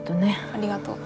ありがとう。